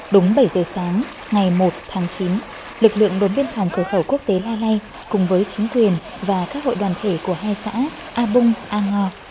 đúng bảy giờ sáng ngày một tháng chín lực lượng đốn biên phòng cửa khẩu quốc tế la lai cùng với chính quyền và các hội đoàn thể của hai xã a bung a ngo